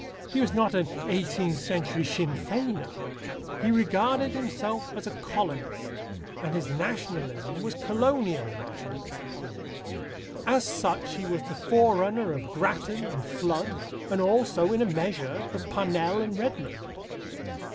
He was not an eighteenth century Sinn Feiner. He regarded himself as a colonist, and his Nationalism was Colonial Nationalism. As such he was the forerunner of Grattan and Flood, and also, in a measure, of Parnell and Redmond.